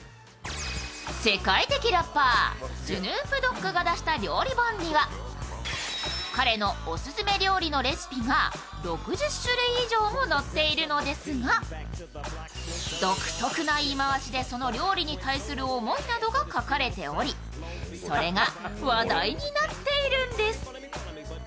世界的ラッパー、スヌープ・ドッグが出した料理本には彼のオススメ料理のレシピが６０種類以上も載っているのですが、独特な言い回しで、その料理に対する思いが書かれておりそれが話題になっているんです。